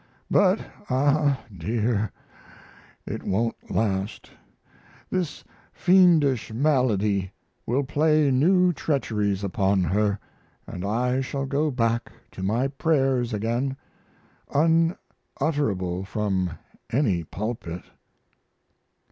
But ah, dear! it won't last; this fiendish malady will play new treacheries upon her, and I shall go back to my prayers again unutterable from any pulpit!